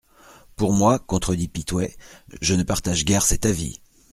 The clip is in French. Pour moi, contredit Pitouët, je ne partage guère cet avis.